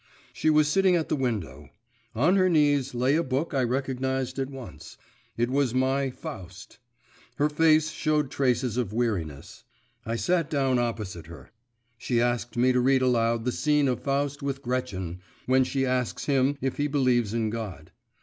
She was sitting at the window; on her knees lay a book I recognised at once; it was my Faust. Her face showed traces of weariness. I sat down opposite her. She asked me to read aloud the scene of Faust with Gretchen, when she asks him if he believes in God.